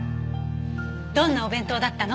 どんなお弁当だったの？